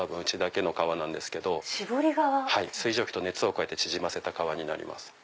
水蒸気と熱を加えて縮ませた革になります。